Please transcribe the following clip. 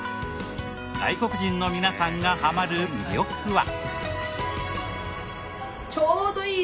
外国人の皆さんがハマる魅力は。